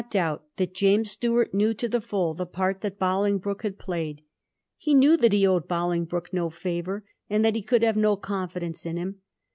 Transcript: doubt that James Stuart knew to tlie full the part that Bolingbroke had played. He knew that he owed Bolingbroke no favour, and that he could have no confidence in him.